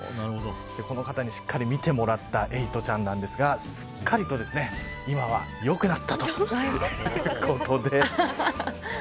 この方に、しっかり診てもらったエイトちゃんなんですがすっかりと今は、よくなったということで。